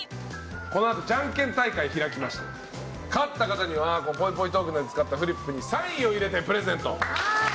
このあとじゃんけん大会を開きまして勝った方にはぽいぽいトークで使ったフリップにサインを入れてプレゼント。